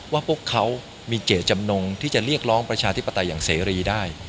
ว่าพวกเขามีเจตจำนงที่จะเรียกร้องประชาธิปไตยอย่างเสรีได้